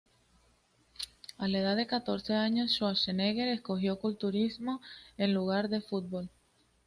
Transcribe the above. A la edad de catorce años, Schwarzenegger escogió culturismo en lugar de fútbol.